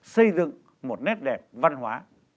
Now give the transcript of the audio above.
xây dựng một nét đẹp văn hóa